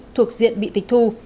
thuộc diện bị tịch thu